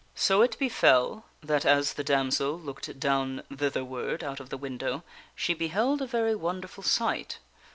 So it befell that as the damsel looked down thitherward out of the window, she beheld a very wonderful sight.